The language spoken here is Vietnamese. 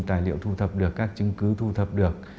tài liệu thu thập được các chứng cứ thu thập được